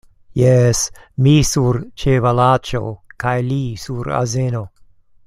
Jes; mi sur ĉevalaĉo kaj li sur azeno.